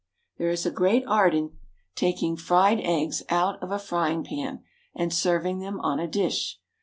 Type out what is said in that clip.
There is a great art in taking fried eggs out of a frying pan and serving them on a dish.